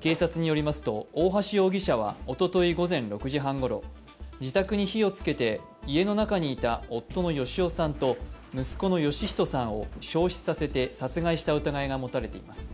警察によりますと大橋容疑者は、おととい午前６時半ごろ、自宅に火をつけて家の中にいた夫の芳男さんと息子の芳人さんと焼死させて殺害した疑いが持たれています。